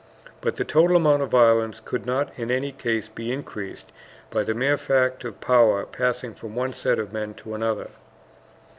But the total amount of violence could not in any case be increased by the mere fact of power passing from one set of men to another.